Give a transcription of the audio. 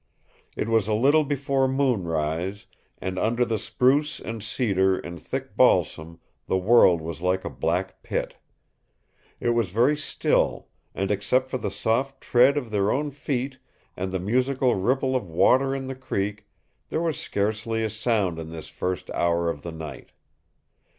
It was a little before moonrise, and under the spruce and cedar and thick balsam the world was like a black pit. It was very still, and except for the soft tread of their own feet and the musical ripple of water in the creek there was scarcely a sound in this first hour of the night.